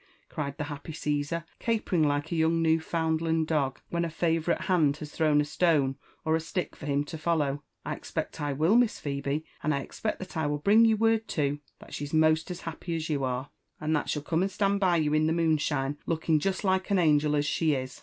cried Ihe happy Csesar, capering like a young Newfoundland dog when a favonrite hand has thrown a stone or a stick for him to follow. I expect 1 wHl^ Mias Phebe ; and I expect that I will bring you word too, that she's moat as happy as you are, and that She'll come and stand by yau m the moonshine, looking jest like an angel as she is."